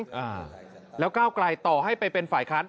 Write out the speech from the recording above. อ่าแล้วก้าวไกลต่อให้ไปเป็นฝ่ายค้าน